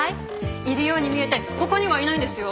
いるように見えてここにはいないんですよ。